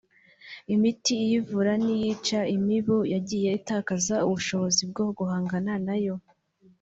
imiti iyivura n’iyica imibu yagiye itakaza ubushobozi bwo guhangana nayo